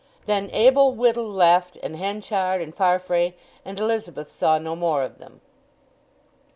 Then Abel Whittle left, and Henchard and Farfrae; and Elizabeth saw no more of them.